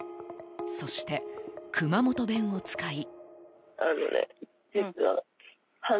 そして熊本弁を使い。